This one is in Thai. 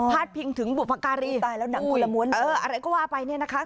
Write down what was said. พาดพิงถึงบุปกรีอะไรก็ว่าไปเนี่ยนะคะ